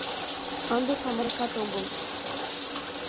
Ынде самырыкат огыл.